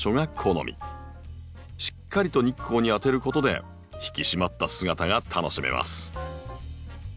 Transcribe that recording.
しっかりと日光に当てることで引き締まった姿が楽しめます。